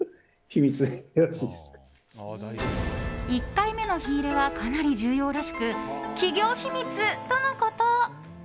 １回目の火入れはかなり重要らしく企業秘密とのこと。